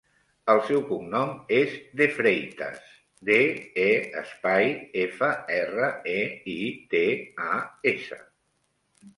El seu cognom és De Freitas: de, e, espai, efa, erra, e, i, te, a, essa.